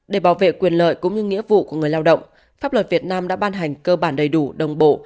để bảo vệ quyền lợi cũng như nghĩa vụ của người lao động pháp luật việt nam đã ban hành cơ bản đầy đủ đồng bộ